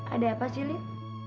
ada apa sih lit